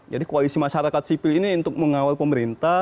koalisi masyarakat sipil ini untuk mengawal pemerintah